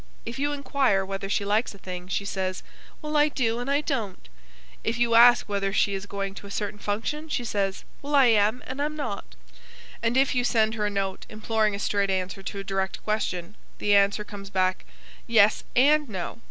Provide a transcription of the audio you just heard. If you inquire whether she likes a thing, she says: 'Well, I do, and I don't.' If you ask whether she is going to a certain function, she says: 'Well, I am, and I'm not.' And if you send her a note, imploring a straight answer to a direct question, the answer comes back: 'Yes AND no.'